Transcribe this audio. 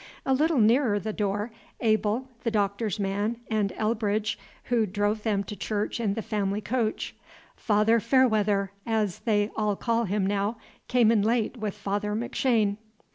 A little nearer the door, Abel, the Doctor's man, and Elbridge, who drove them to church in the family coach. Father Fairweather, as they all call him now, came in late with Father McShane."